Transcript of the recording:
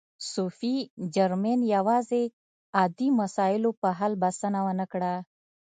صوفي جرمین یوازې عادي مسایلو په حل بسنه و نه کړه.